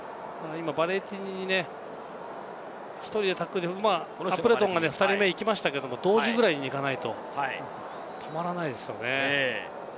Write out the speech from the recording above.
今、ヴァレティニに１人でタックル、アプレトンが２人に行きましたけれど、同時ぐらいに行かないと止まらないですよね。